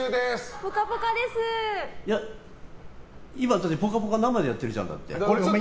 今、「ぽかぽか」生でやってるじゃん、だって。